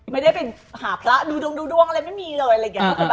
ไม่ได้เป็นหาพระดูดวงอะไรไม่มีเลย